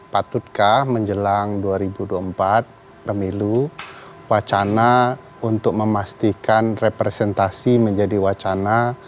patutkah menjelang dua ribu dua puluh empat pemilu wacana untuk memastikan representasi menjadi wacana